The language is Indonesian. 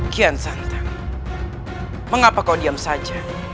kian santa mengapa kau diam saja